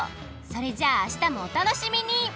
それじゃああしたもお楽しみに！